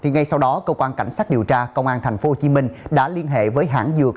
ngay sau đó công an cảnh sát điều tra công an tp hcm đã liên hệ với hãng dược